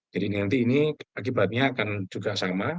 jadi nanti ini akibatnya akan juga sama